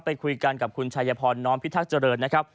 ไปคุยกันกับคุณชายพรน้อมพิทักษ์เจริญนะครับ